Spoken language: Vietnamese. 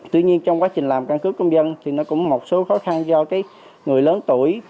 tuy nhiên trong quá trình làm căn cước công dân thì nó cũng một số khó khăn do người lớn tuổi